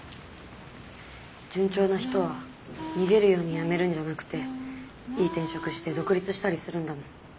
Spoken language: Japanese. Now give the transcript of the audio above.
順調な人は逃げるように辞めるんじゃなくていい転職して独立したりするんだもん。